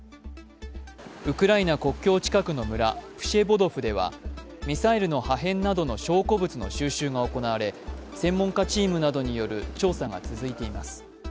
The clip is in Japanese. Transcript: ウクライナ国境近くの村プシェボドフではミサイルの破片などの証拠物の収集が行われ専門家チームなどによる調査が続いています。